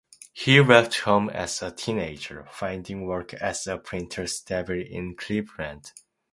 He left home as a teenager, finding work as a printer's devil in Cleveland.